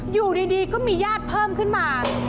อยู่ดีก็มีญาติเพิ่มขึ้นมา